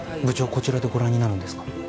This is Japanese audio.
こちらでご覧になるんですか？